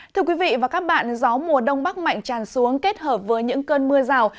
thưa quý vị và các bạn gió mùa đông bắc mạnh tràn xuống kết hợp với những cơn mưa rào